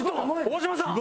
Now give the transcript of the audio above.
大島さん！